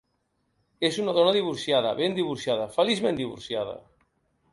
És una dona divorciada, ben divorciada, feliçment divorciada.